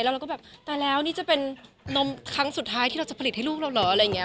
แล้วเราก็แบบตายแล้วนี่จะเป็นนมครั้งสุดท้ายที่เราจะผลิตให้ลูกเราเหรออะไรอย่างนี้